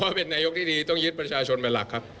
เป็นนายกที่ดีต้องยึดประชาชนเป็นหลักครับ